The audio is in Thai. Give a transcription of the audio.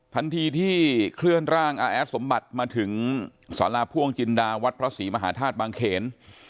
ทันทีที่เคลื่อนร่างอาแอดสมบัติมาถึงสาราพ่วงจินดาวัดพระศรีมหาธาตุบางเขน